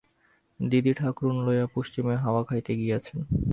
দিদিঠাকরুনকে লইয়া পশ্চিমে হাওয়া খাইতে গিয়াছেন।